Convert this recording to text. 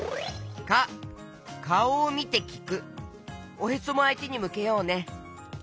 おへそもあいてにむけようね。